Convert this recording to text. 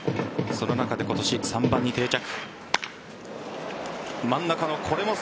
その中で今年３番に定着。